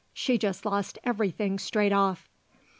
She just lost everything straight off.